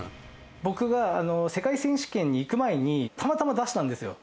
僕が世界選手権に行く前に、たまたま出したんですよ。